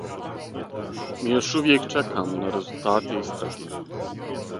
Ми још увијек чекамо на резултате истраге.